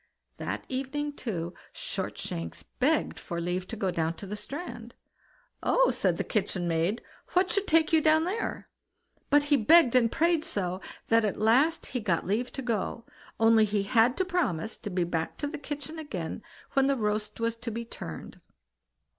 That evening, too, Shortshanks begged for leave to go down to the strand. "Oh!" said the kitchen maid, "what should take you down there?" But he begged and prayed so, that at last he got leave to go, only he had to promise to be back in the kitchen again when the roast was to be turned.